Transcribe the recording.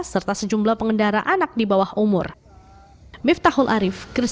serta sejumlah pengendara anak di bawah umur